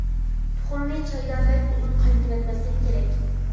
تۇخۇمنى چايدا بەك ئۇزۇن قاينىتىۋەتمەسلىك كېرەك.